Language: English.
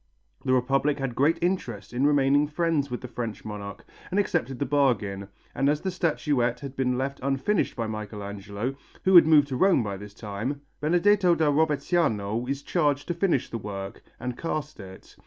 The Republic had great interest in remaining friends with the French monarch and accepted the bargain, and as the statuette had been left unfinished by Michelangelo, who had moved to Rome by this time, Benedetto da Rovezzano is charged to finish the work and cast it.